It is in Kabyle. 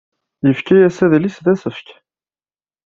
Yefka-as adlis d asefk.